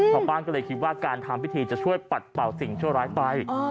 ชาวบ้านก็เลยคิดว่าการทำพิธีจะช่วยปัดเป่าสิ่งชั่วร้ายไป